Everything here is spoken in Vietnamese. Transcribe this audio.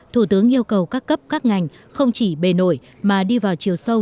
thủ tướng yêu cầu các cấp các ngành không chỉ bề nổi mà đi vào chiều sâu